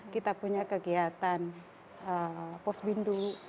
kita punya kegiatan pos bindu